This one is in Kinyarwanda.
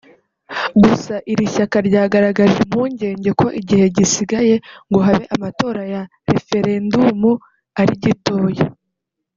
Gusa iri shyaka ryagaragaje impungenge ko igihe gisigaye ngo habe amatora ya referendumu ari gitoya